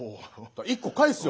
１個返すよ。